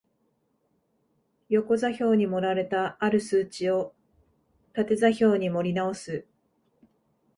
横座標に盛られた或る数値を縦座標に盛り直す